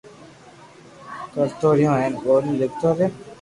ڪرتو رھيو ھين ٻولي لکتو رھيو